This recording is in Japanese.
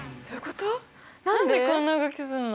何でこんな動きすんの？